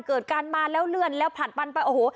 เกิดการมาแล้วเลื่อนแล้วผ่านปันไปโอ้โห